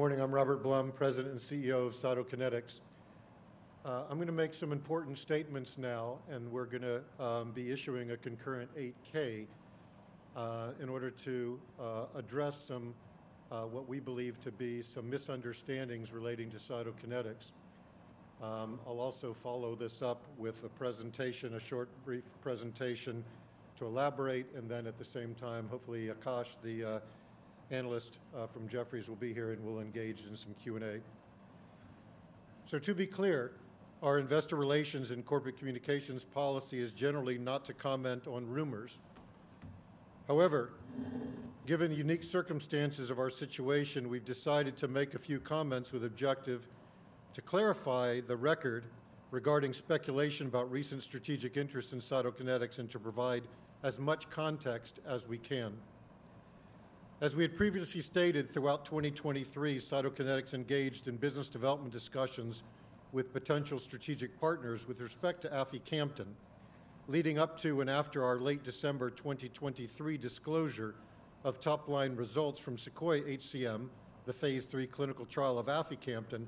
...Good morning, I'm Robert Blum, President and CEO of Cytokinetics. I'm gonna make some important statements now, and we're gonna be issuing a concurrent 8-K in order to address some what we believe to be some misunderstandings relating to Cytokinetics. I'll also follow this up with a presentation, a short, brief presentation to elaborate, and then at the same time, hopefully, Akash, the analyst from Jefferies, will be here and we'll engage in some Q&A. So to be clear, our investor relations and corporate communications policy is generally not to comment on rumors. However, given the unique circumstances of our situation, we've decided to make a few comments with the objective to clarify the record regarding speculation about recent strategic interest in Cytokinetics and to provide as much context as we can. As we had previously stated, throughout 2023, Cytokinetics engaged in business development discussions with potential strategic partners with respect to aficamten. Leading up to and after our late December 2023 disclosure of top-line results from SEQUOIA-HCM, the Phase III clinical trial of aficamten,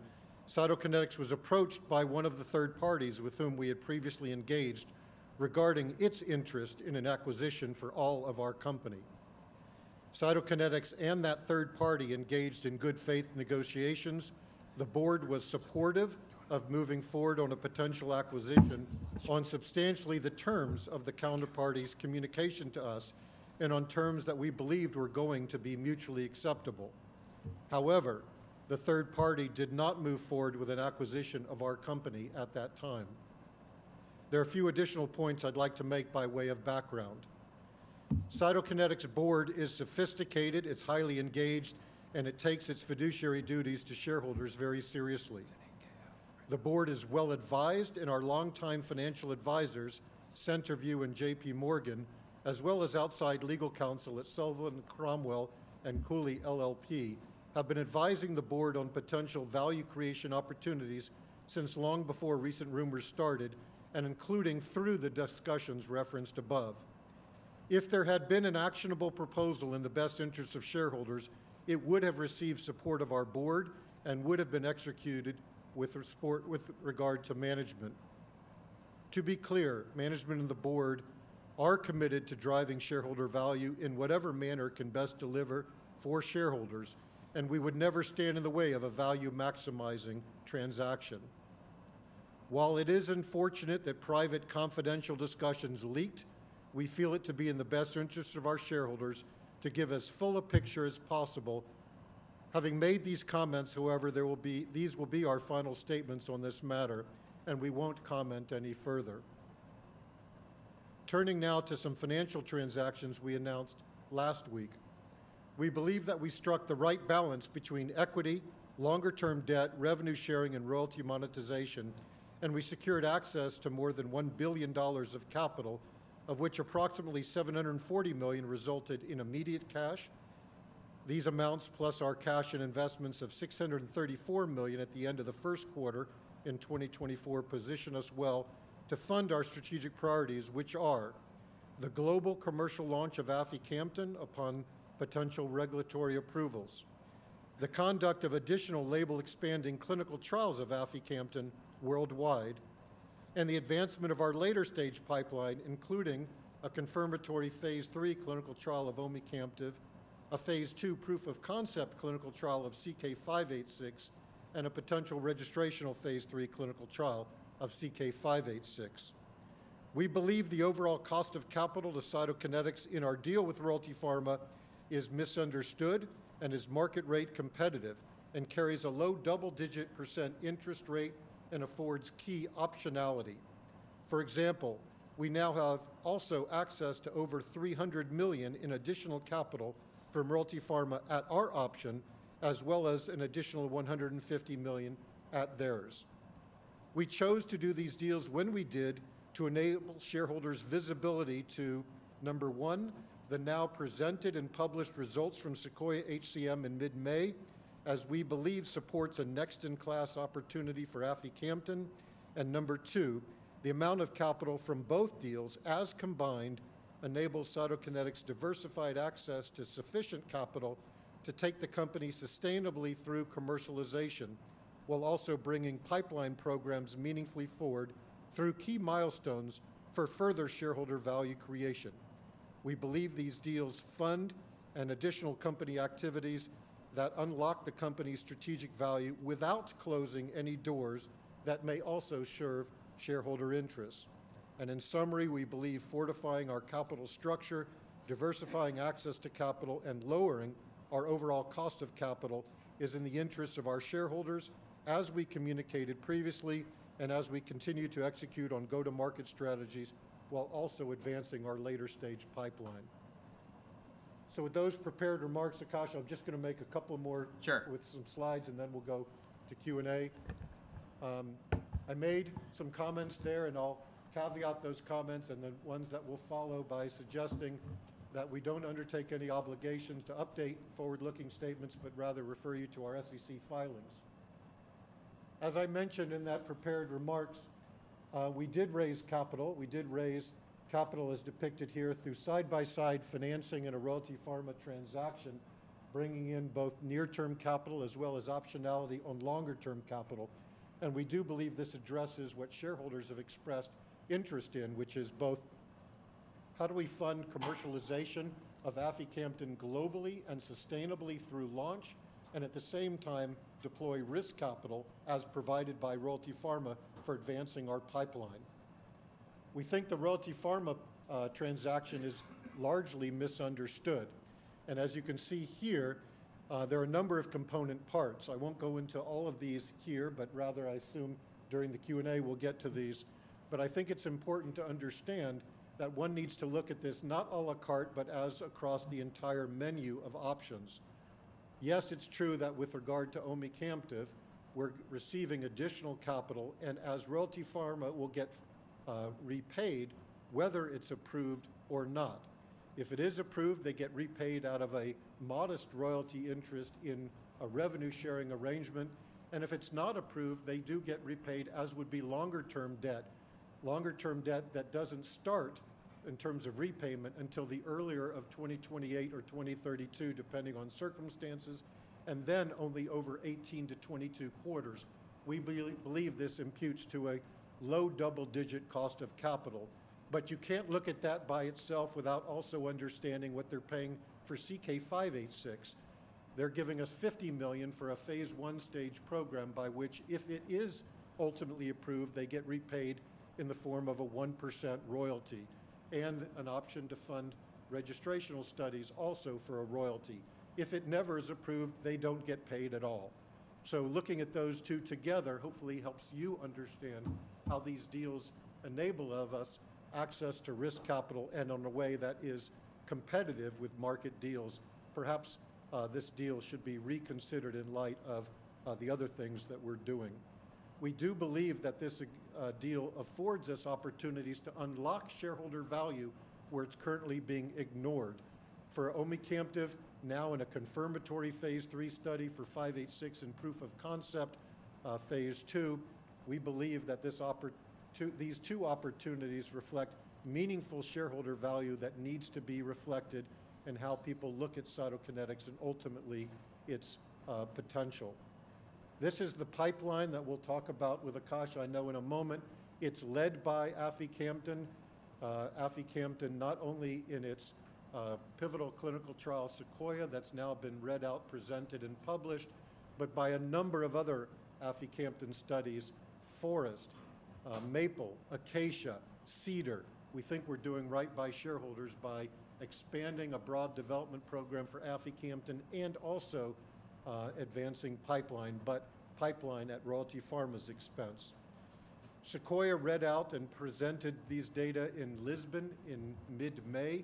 Cytokinetics was approached by one of the third parties with whom we had previously engaged, regarding its interest in an acquisition for all of our company. Cytokinetics and that third party engaged in good-faith negotiations. The board was supportive of moving forward on a potential acquisition on substantially the terms of the counterparty's communication to us and on terms that we believed were going to be mutually acceptable. However, the third party did not move forward with an acquisition of our company at that time. There are a few additional points I'd like to make by way of background. Cytokinetics' board is sophisticated, it's highly engaged, and it takes its fiduciary duties to shareholders very seriously. The board is well-advised, and our longtime financial advisors, Centerview and J.P. Morgan, as well as outside legal counsel at Sullivan & Cromwell and Cooley LLP, have been advising the board on potential value creation opportunities since long before recent rumors started, and including through the discussions referenced above. If there had been an actionable proposal in the best interest of shareholders, it would have received support of our board and would have been executed with respect to management. To be clear, management and the board are committed to driving shareholder value in whatever manner can best deliver for shareholders, and we would never stand in the way of a value-maximizing transaction. While it is unfortunate that private, confidential discussions leaked, we feel it to be in the best interest of our shareholders to give as full a picture as possible. Having made these comments, however, there will be, these will be our final statements on this matter, and we won't comment any further. Turning now to some financial transactions we announced last week. We believe that we struck the right balance between equity, longer-term debt, revenue sharing, and royalty monetization, and we secured access to more than $1 billion of capital, of which approximately $740 million resulted in immediate cash. These amounts, plus our cash and investments of $634 million at the end of the first quarter in 2024, position us well to fund our strategic priorities, which are: the global commercial launch of aficamten upon potential regulatory approvals, the conduct of additional label-expanding clinical trials of aficamten worldwide, and the advancement of our later-stage pipeline, including a confirmatory phase III clinical trial of omecamtiv, a phase II proof of concept clinical trial of CK-586, and a potential registrational phase III clinical trial of CK-586. We believe the overall cost of capital to Cytokinetics in our deal with Royalty Pharma is misunderstood and is market-rate competitive and carries a low double-digit % interest rate and affords key optionality. For example, we now have also access to over $300 million in additional capital from Royalty Pharma at our option, as well as an additional $150 million at theirs. We chose to do these deals when we did to enable shareholders visibility to, number one, the now presented and published results from SEQUOIA-HCM in mid-May, as we believe supports a next-in-class opportunity for aficamten. And number two, the amount of capital from both deals, as combined, enables Cytokinetics diversified access to sufficient capital to take the company sustainably through commercialization, while also bringing pipeline programs meaningfully forward through key milestones for further shareholder value creation. We believe these deals fund an additional company activities that unlock the company's strategic value without closing any doors that may also serve shareholder interests. In summary, we believe fortifying our capital structure, diversifying access to capital, and lowering our overall cost of capital is in the interests of our shareholders, as we communicated previously and as we continue to execute on go-to-market strategies, while also advancing our later-stage pipeline. With those prepared remarks, Akash, I'm just gonna make a couple more- Sure. -with some slides, and then we'll go to Q&A. I made some comments there, and I'll caveat those comments and the ones that will follow by suggesting that we don't undertake any obligations to update forward-looking statements, but rather refer you to our SEC filings... As I mentioned in that prepared remarks, we did raise capital. We did raise capital as depicted here through side-by-side financing in a Royalty Pharma transaction, bringing in both near-term capital as well as optionality on longer-term capital. We do believe this addresses what shareholders have expressed interest in, which is both how do we fund commercialization of aficamten globally and sustainably through launch, and at the same time deploy risk capital as provided by Royalty Pharma for advancing our pipeline? We think the Royalty Pharma transaction is largely misunderstood, and as you can see here, there are a number of component parts. I won't go into all of these here, but rather I assume during the Q&A, we'll get to these. But I think it's important to understand that one needs to look at this not à la carte, but across the entire menu of options. Yes, it's true that with regard to omecamtiv, we're receiving additional capital, and as Royalty Pharma will get repaid whether it's approved or not. If it is approved, they get repaid out of a modest royalty interest in a revenue-sharing arrangement, and if it's not approved, they do get repaid, as would be longer-term debt. Longer-term debt that doesn't start in terms of repayment until the earlier of 2028 or 2032, depending on circumstances, and then only over 18-22 quarters. We believe this imputes to a low double-digit cost of capital. But you can't look at that by itself without also understanding what they're paying for CK-586. They're giving us $50 million for a phase I stage program by which, if it is ultimately approved, they get repaid in the form of a 1% royalty and an option to fund registrational studies also for a royalty. If it never is approved, they don't get paid at all. So looking at those two together hopefully helps you understand how these deals enable of us access to risk capital and in a way that is competitive with market deals. Perhaps, this deal should be reconsidered in light of the other things that we're doing. We do believe that this deal affords us opportunities to unlock shareholder value where it's currently being ignored. For omecamtiv, now in a confirmatory phase III study for 586 and proof of concept phase II, we believe that these two opportunities reflect meaningful shareholder value that needs to be reflected in how people look at Cytokinetics and ultimately its potential. This is the pipeline that we'll talk about with Akash, I know in a moment. It's led by aficamten. Aficamten, not only in its pivotal clinical trial, SEQUOIA, that's now been read out, presented, and published, but by a number of other aficamten studies, FOREST, MAPLE, ACACIA, CEDAR. We think we're doing right by shareholders by expanding a broad development program for aficamten and also, advancing pipeline, but pipeline at Royalty Pharma's expense. SEQUOIA read out and presented these data in Lisbon in mid-May.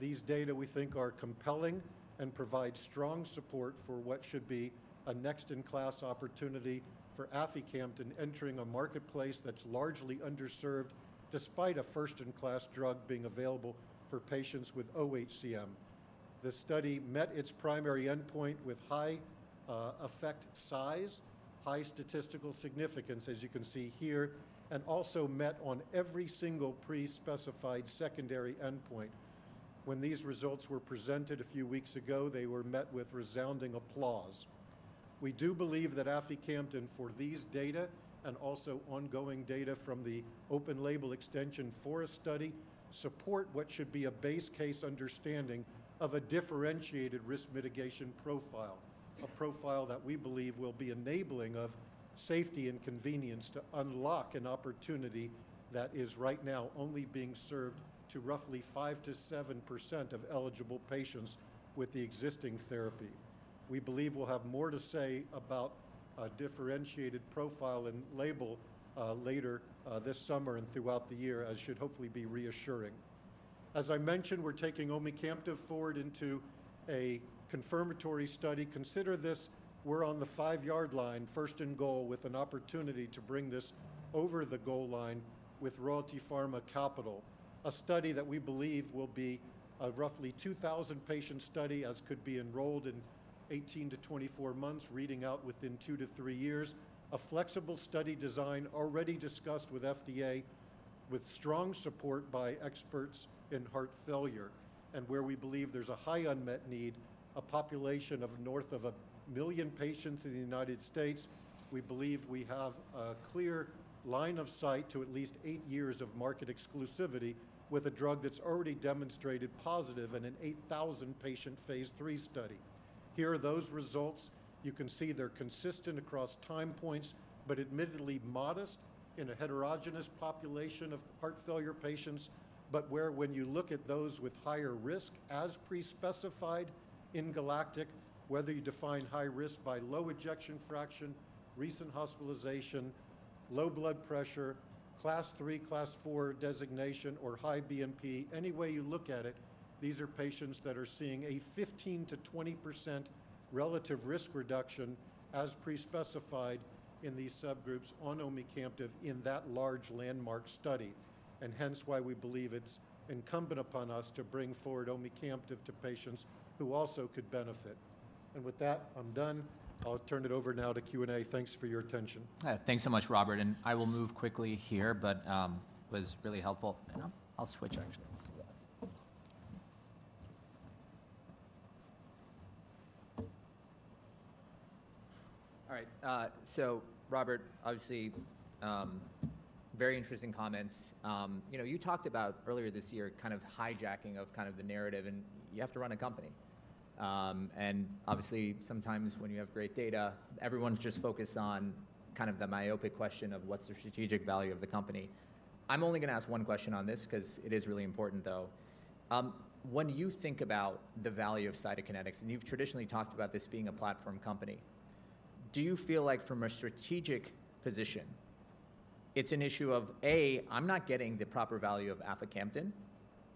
These data, we think, are compelling and provide strong support for what should be a next-in-class opportunity for aficamten entering a marketplace that's largely underserved, despite a first-in-class drug being available for patients with oHCM. The study met its primary endpoint with high, effect size, high statistical significance, as you can see here, and also met on every single pre-specified secondary endpoint. When these results were presented a few weeks ago, they were met with resounding applause. We do believe that aficamten, for these data and also ongoing data from the open-label extension FOREST study, support what should be a base case understanding of a differentiated risk mitigation profile. A profile that we believe will be enabling of safety and convenience to unlock an opportunity that is right now only being served to roughly 5%-7% of eligible patients with the existing therapy. We believe we'll have more to say about a differentiated profile and label, later, this summer and throughout the year, as should hopefully be reassuring. As I mentioned, we're taking omecamtiv forward into a confirmatory study. Consider this, we're on the five-yard line, first in goal, with an opportunity to bring this over the goal line with Royalty Pharma capital. A study that we believe will be a roughly 2,000-patient study, as could be enrolled in 18-24 months, reading out within 2-3 years. A flexible study design already discussed with FDA, with strong support by experts in heart failure, and where we believe there's a high unmet need, a population of north of 1 million patients in the United States. We believe we have a clear line of sight to at least eight years of market exclusivity with a drug that's already demonstrated positive in an 8,000-patient phase III study. Here are those results. You can see they're consistent across time points, but admittedly modest in a heterogeneous population of heart failure patients, but where when you look at those with higher risk, as pre-specified in GALACTIC, whether you define high risk by low ejection fraction, recent hospitalization, low blood pressure, Class III, Class IV designation, or high BNP, any way you look at it, these are patients that are seeing a 15%-20% relative risk reduction, as pre-specified in these subgroups on omecamtiv in that large landmark study. And hence why we believe it's incumbent upon us to bring forward omecamtiv to patients who also could benefit. And with that, I'm done. I'll turn it over now to Q&A. Thanks for your attention. Thanks so much, Robert, and I will move quickly here, but was really helpful, and I'll switch actually. All right, so Robert, obviously, very interesting comments. You know, you talked about earlier this year, kind of hijacking of kind of the narrative, and you have to run a company. And obviously, sometimes when you have great data, everyone's just focused on kind of the myopic question of: What's the strategic value of the company? I'm only gonna ask one question on this 'cause it is really important, though. When you think about the value of Cytokinetics, and you've traditionally talked about this being a platform company, do you feel like from a strategic position, it's an issue of, A, I'm not getting the proper value of aficamten?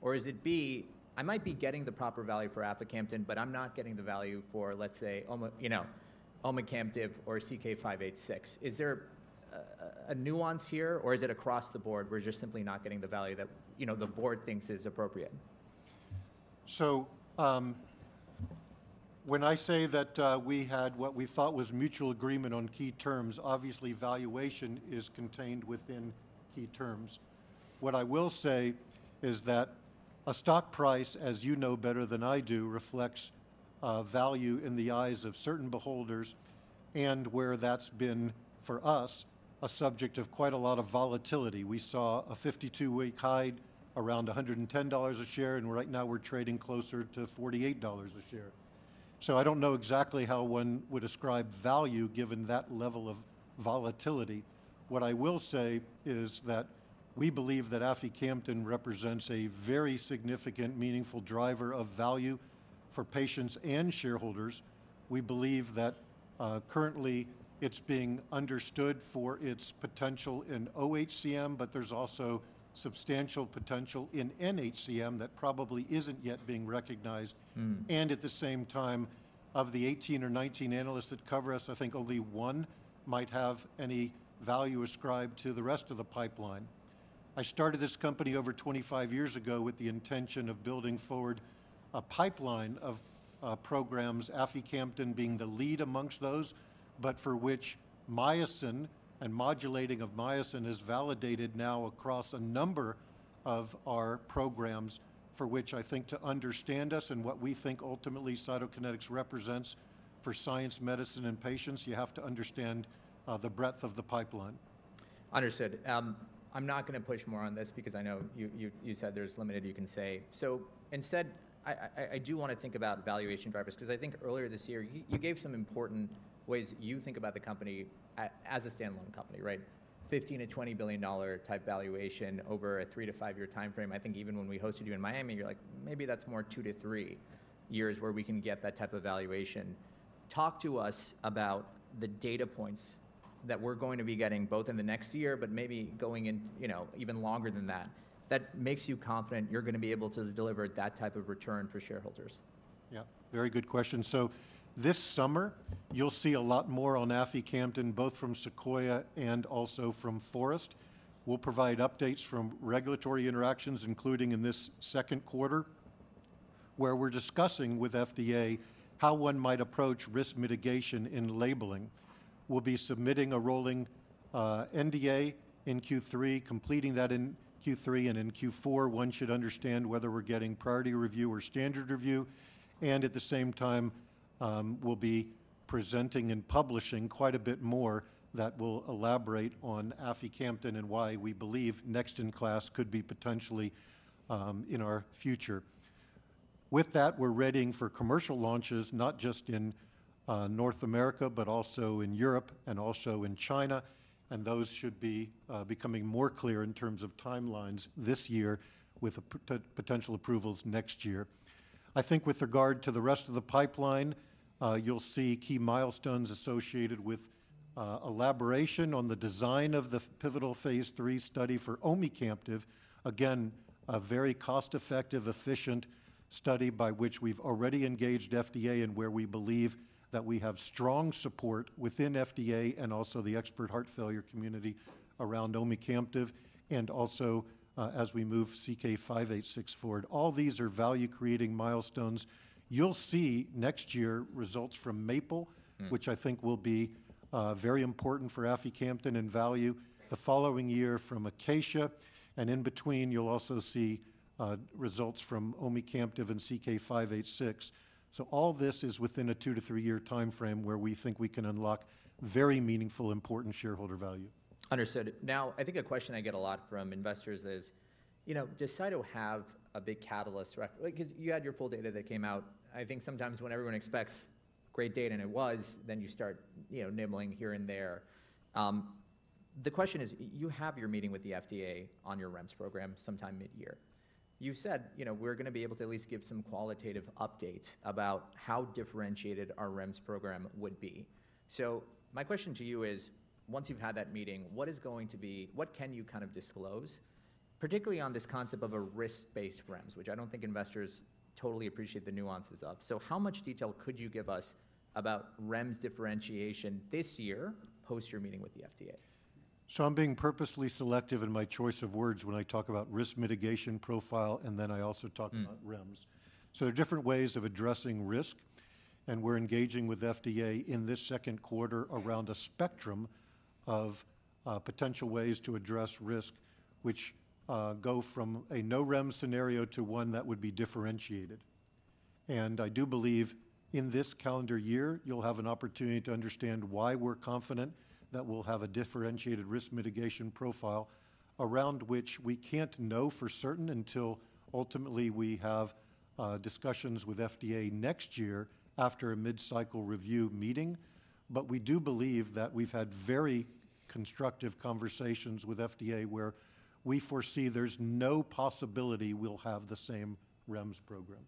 Or is it B, I might be getting the proper value for aficamten, but I'm not getting the value for, let's say, oma-- you know, omecamtiv or CK-586. Is there a nuance here, or is it across the board, we're just simply not getting the value that, you know, the board thinks is appropriate? So, when I say that, we had what we thought was mutual agreement on key terms, obviously, valuation is contained within key terms. What I will say is that a stock price, as you know better than I do, reflects value in the eyes of certain beholders, and where that's been, for us, a subject of quite a lot of volatility. We saw a 52-week high around $110 a share, and right now we're trading closer to $48 a share. So I don't know exactly how one would ascribe value given that level of volatility. What I will say is that we believe that aficamten represents a very significant, meaningful driver of value for patients and shareholders. We believe that, currently it's being understood for its potential in oHCM, but there's also substantial potential in nHCM that probably isn't yet being recognized. Mm. At the same time, of the 18 or 19 analysts that cover us, I think only one might have any value ascribed to the rest of the pipeline. I started this company over 25 years ago with the intention of building forward a pipeline of programs, aficamten being the lead amongst those, but for which myosin and modulating of myosin is validated now across a number of our programs, for which I think to understand us and what we think ultimately Cytokinetics represents for science, medicine, and patients, you have to understand the breadth of the pipeline. Understood. I'm not gonna push more on this because I know you said there's limited you can say. So instead, I do wanna think about valuation drivers, 'cause I think earlier this year, you gave some important ways you think about the company as a standalone company, right? $15 billion-$20 billion type valuation over a 3-5-year timeframe. I think even when we hosted you in Miami, you're like, "Maybe that's more 2-3 years where we can get that type of valuation." Talk to us about the data points that we're going to be getting, both in the next year, but maybe going in, you know, even longer than that, that makes you confident you're gonna be able to deliver that type of return for shareholders. Yeah, very good question. So this summer, you'll see a lot more on aficamten, both from SEQUOIA and also from FOREST. We'll provide updates from regulatory interactions, including in this second quarter, where we're discussing with FDA how one might approach risk mitigation in labeling. We'll be submitting a rolling NDA in Q3, completing that in Q3, and in Q4, one should understand whether we're getting priority review or standard review. And at the same time, we'll be presenting and publishing quite a bit more that will elaborate on aficamten and why we believe next in class could be potentially in our future. With that, we're readying for commercial launches, not just in North America, but also in Europe and also in China, and those should be becoming more clear in terms of timelines this year, with potential approvals next year. I think with regard to the rest of the pipeline, you'll see key milestones associated with, elaboration on the design of the pivotal phase III study for omecamtiv. Again, a very cost-effective, efficient study by which we've already engaged FDA and where we believe that we have strong support within FDA and also the expert heart failure community around omecamtiv, and also, as we move CK-586 forward. All these are value-creating milestones. You'll see next year results from MAPLE- Mm... which I think will be, very important for aficamten and value. The following year from ACACIA, and in between, you'll also see, results from omecamtiv and CK-586. So all this is within a 2-3-year timeframe, where we think we can unlock very meaningful, important shareholder value. Understood. Now, I think a question I get a lot from investors is, you know, does Cyto have a big catalyst. Like, 'cause you had your full data that came out. I think sometimes when everyone expects great data, and it was, then you start, you know, nibbling here and there. The question is, you have your meeting with the FDA on your REMS program sometime mid-year. You said, you know, we're gonna be able to at least give some qualitative updates about how differentiated our REMS program would be. So my question to you is, once you've had that meeting, what is going to be-- what can you kind of disclose, particularly on this concept of a risk-based REMS, which I don't think investors totally appreciate the nuances of? How much detail could you give us about REMS differentiation this year, post your meeting with the FDA? ... So I'm being purposely selective in my choice of words when I talk about risk mitigation profile, and then I also talk about- Mm. REMS. So there are different ways of addressing risk, and we're engaging with FDA in this second quarter around a spectrum of, potential ways to address risk, which, go from a no REMS scenario to one that would be differentiated. And I do believe in this calendar year, you'll have an opportunity to understand why we're confident that we'll have a differentiated risk mitigation profile around which we can't know for certain until ultimately we have, discussions with FDA next year after a mid-cycle review meeting. But we do believe that we've had very constructive conversations with FDA, where we foresee there's no possibility we'll have the same REMS program.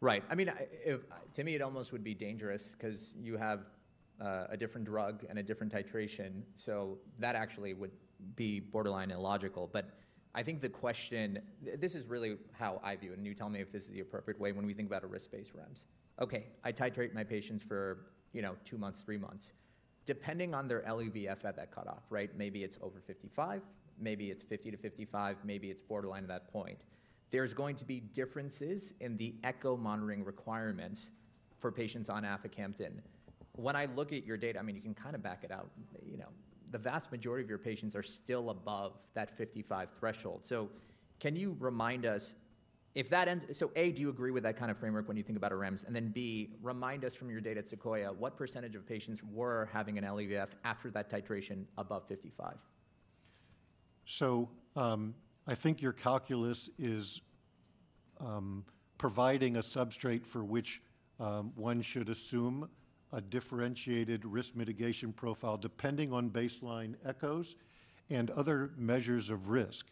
Right. I mean, if—to me, it almost would be dangerous 'cause you have a different drug and a different titration, so that actually would be borderline illogical. But I think the question—this is really how I view it, and you tell me if this is the appropriate way when we think about a risk-based REMS. Okay, I titrate my patients for, you know, two months, three months, depending on their LVEF at that cutoff, right? Maybe it's over 55, maybe it's 50 to 55, maybe it's borderline at that point. There's going to be differences in the echo monitoring requirements for patients on aficamten. When I look at your data, I mean, you can kind of back it out, you know, the vast majority of your patients are still above that 55 threshold. So, A, do you agree with that kind of framework when you think about a REMS? And then, B, remind us from your data at SEQUOIA, what percentage of patients were having an LVEF after that titration above 55? So, I think your calculus is providing a substrate for which one should assume a differentiated risk mitigation profile, depending on baseline echoes and other measures of risk.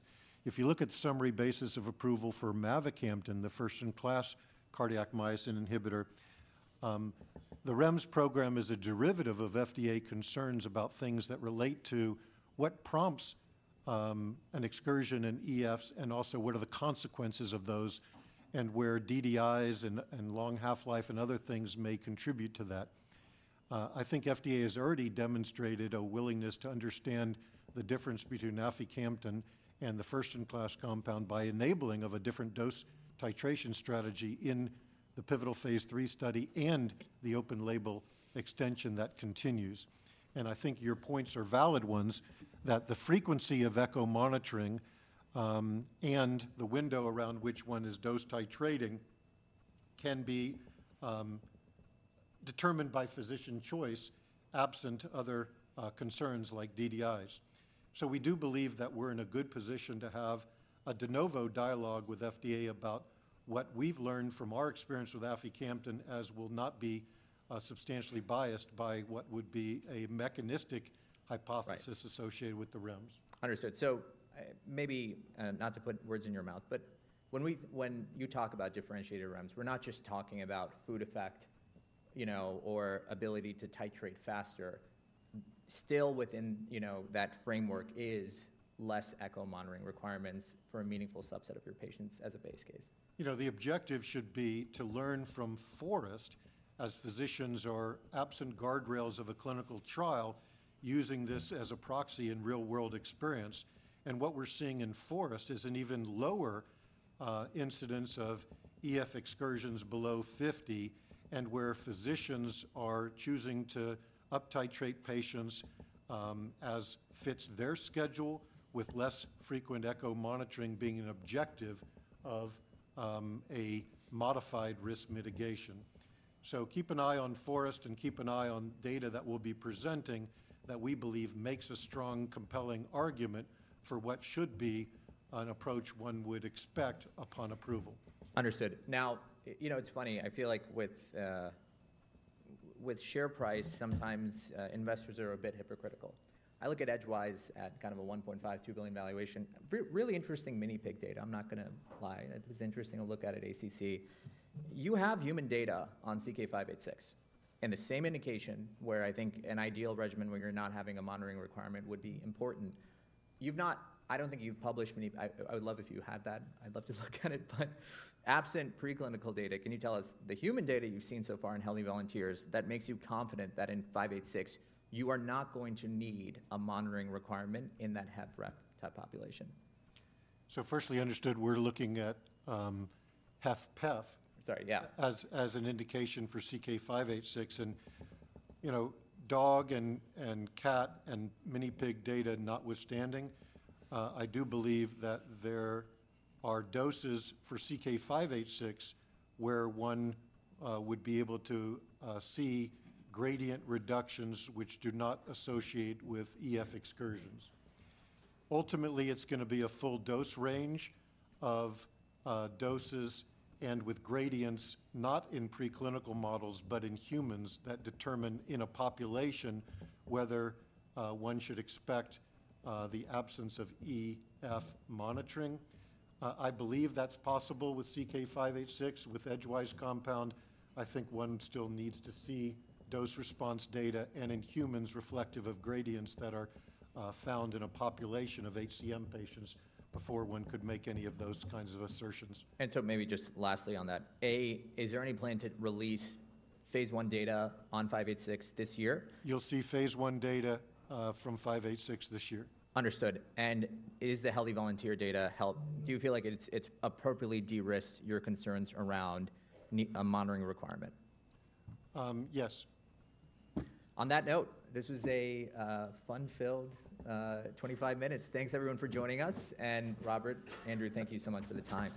If you look at summary basis of approval for mavacamten, the first-in-class cardiac myosin inhibitor, the REMS program is a derivative of FDA concerns about things that relate to what prompts an excursion in EFs, and also, what are the consequences of those and where DDIs and, and long half-life and other things may contribute to that. I think FDA has already demonstrated a willingness to understand the difference between aficamten and the first-in-class compound by enabling of a different dose titration strategy in the pivotal phase III study and the open-label extension that continues. I think your points are valid ones, that the frequency of echo monitoring, and the window around which one is dose titrating can be, determined by physician choice, absent other, concerns like DDIs. So we do believe that we're in a good position to have a de novo dialogue with FDA about what we've learned from our experience with aficamten, as will not be, substantially biased by what would be a mechanistic hypothesis- Right. - associated with the REMS. Understood. So, maybe not to put words in your mouth, but when you talk about differentiated REMS, we're not just talking about food effect, you know, or ability to titrate faster. Still within, you know, that framework is less echo monitoring requirements for a meaningful subset of your patients as a base case. You know, the objective should be to learn from FOREST as physicians or absent guardrails of a clinical trial, using this as a proxy in real-world experience. What we're seeing in FOREST is an even lower incidence of EF excursions below 50, and where physicians are choosing to uptitrate patients, as fits their schedule, with less frequent echo monitoring being an objective of a modified risk mitigation. Keep an eye on FOREST, and keep an eye on data that we'll be presenting that we believe makes a strong, compelling argument for what should be an approach one would expect upon approval. Understood. Now, you know, it's funny, I feel like with, with share price, sometimes, investors are a bit hypocritical. I look at Edgewise at kind of a $1.5-$2 billion valuation. Really interesting mini pig data. I'm not gonna lie. It was interesting to look at, at ACC. You have human data on CK-586, in the same indication where I think an ideal regimen, where you're not having a monitoring requirement would be important. I don't think you've published many. I would love if you had that. I'd love to look at it, but absent preclinical data, can you tell us the human data you've seen so far in healthy volunteers that makes you confident that in 586, you are not going to need a monitoring requirement in that HFrEF type population? Firstly, understood, we're looking at HFpEF- Sorry, yeah. as an indication for CK-586, and, you know, dog and cat and mini pig data notwithstanding, I do believe that there are doses for CK-586, where one would be able to see gradient reductions which do not associate with EF excursions. Ultimately, it's gonna be a full dose range of doses and with gradients, not in preclinical models, but in humans, that determine in a population whether one should expect the absence of EF monitoring. I believe that's possible with CK-586. With Edgewise compound, I think one still needs to see dose response data, and in humans, reflective of gradients that are found in a population of HCM patients before one could make any of those kinds of assertions. And so maybe just lastly on that, A, is there any plan to release phase I data on 586 this year? You'll see phase I data from CK-586 this year. Understood. And is the healthy volunteer data helpful? Do you feel like it's, it's appropriately de-risked your concerns around a monitoring requirement? Um, yes. On that note, this was a fun-filled 25 minutes. Thanks, everyone, for joining us, and Robert, Andrew, thank you so much for the time.